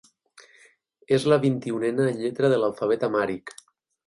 És la vint-i-unena lletra de l'alfabet amhàric.